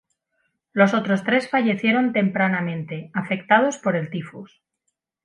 Los otros tres fallecieron tempranamente, afectados por el tifus.